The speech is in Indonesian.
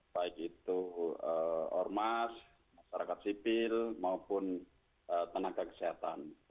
baik itu ormas masyarakat sipil maupun tenaga kesehatan